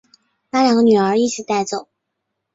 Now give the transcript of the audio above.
把两个女儿一起带走